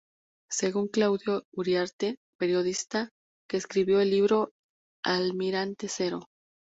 Según Claudio Uriarte –periodista que escribió el libro "Almirante Cero.